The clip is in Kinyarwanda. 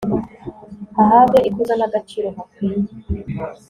hahabwe ikuzo n'agaciro hakwiye